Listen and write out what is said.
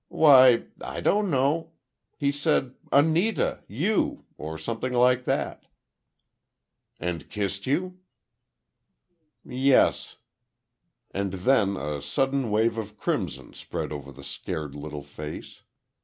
"Why—I don't know. He said—'Anita! You!'—or something like that." "And kissed you?" "Yes." And then a sudden wave of crimson spread over the scared little face.